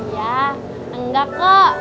iya enggak kok